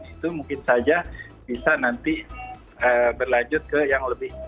itu mungkin saja bisa nanti berlanjut ke yang lebih